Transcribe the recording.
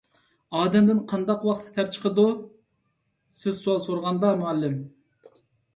_ ئادەمدىن قانداق ۋاقىتتا تەر چىقىدۇ؟ _ سىز سوئال سورىغاندا، مۇئەللىم.